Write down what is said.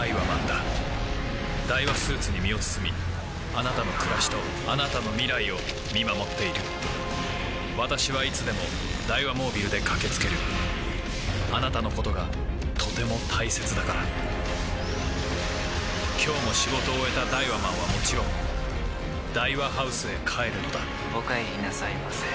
ダイワスーツに身を包みあなたの暮らしとあなたの未来を見守っている私はいつでもダイワモービルで駆け付けるあなたのことがとても大切だから今日も仕事を終えたダイワマンはもちろんダイワハウスへ帰るのだお帰りなさいませ。